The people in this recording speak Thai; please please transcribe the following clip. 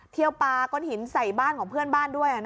เที่ยวปลาก้อนหินใส่บ้านของเพื่อนบ้านด้วยอะนะคะ